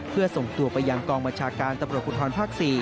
เพื่อส่งตัวไปยังกองมจาการตำรวจคุณธรรมภาค๔